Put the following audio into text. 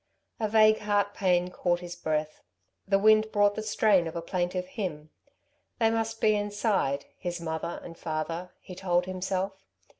A vague heart pain caught his breath. The wind brought the strain of a plaintive hymn. They must be inside, his mother and father, he told himself.